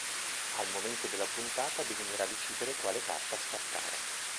Al momento della puntata bisognerà decidere quale carta scartare.